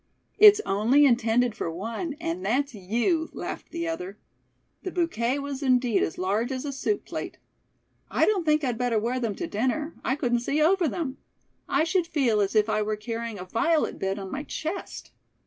"It's only intended for one, and that's you," laughed the other. The bouquet was indeed as large as a soup plate. "I don't think I'd better wear them to dinner. I couldn't see over them. I should feel as if I were carrying a violet bed on my chest."